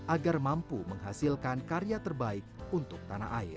agar mampu menghasilkan karya terbaik untuk tanah air